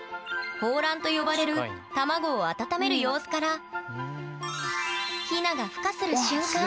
「抱卵」と呼ばれる卵を温める様子からヒナがふ化する瞬間